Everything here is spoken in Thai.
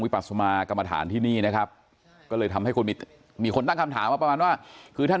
เป็นพระอยู่ที่เหล็กไหลบที่พักสงธมพระไสงามในพื้นที่